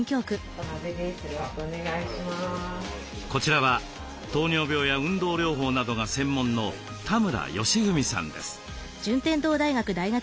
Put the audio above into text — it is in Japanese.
こちらは糖尿病や運動療法などが専門の田村好史さんです。